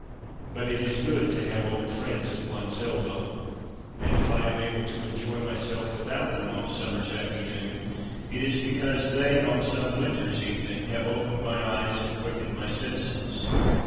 But it is good to have old friends at one's elbow. And if I am able to enjoy myself without them on a summer's afternoon, it is because they, on some winter's evening, have opened my eyes and quickened my senses.